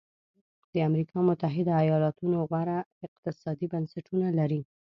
د امریکا متحده ایالتونو غوره اقتصادي بنسټونه لري.